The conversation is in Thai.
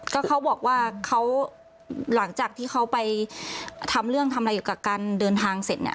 ก็เขาบอกว่าเขาหลังจากที่เขาไปทำเรื่องทำอะไรอยู่กับการเดินทางเสร็จเนี่ย